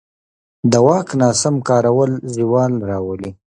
د واک ناسم کارول زوال راولي